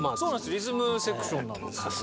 リズムセクションなんです。